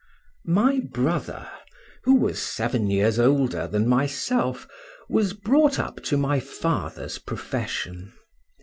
My brother, who was seven years older than myself, was brought up to my father's profession.